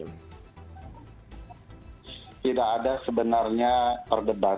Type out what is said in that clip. tidak ada sebenarnya perdebatan